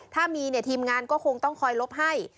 ถ้ามีทีมงานก็คงต้องคอยลบให้